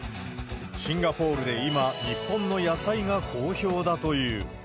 シンガポールで今、日本の野菜が好評だという。